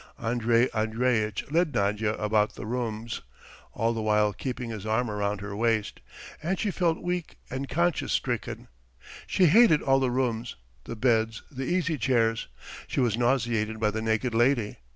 Andrey Andreitch led Nadya about the rooms, all the while keeping his arm round her waist; and she felt weak and conscience stricken. She hated all the rooms, the beds, the easy chairs; she was nauseated by the naked lady.